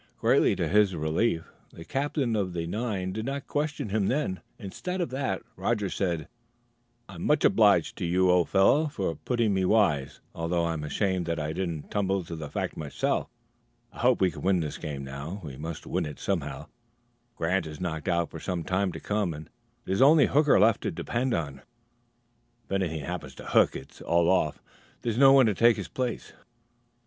Greatly to his relief, the captain of the nine did not question him then; instead of that, Roger said: "I'm much obliged to you, old fellow, for putting me wise, although I'm ashamed that I didn't tumble to the fact myself. I hope we can win this game now; we must win it somehow. Grant is knocked out for some time to come, and there's only Hooker left to depend on. If anything happens to Hook, it's all off; there's no one to take his place."